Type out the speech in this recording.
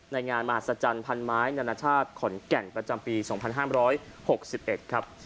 ในงานมหัศจรรย์พันไม้นานาชาติขอนแก่นประจำปี๒๕๖๑ครับ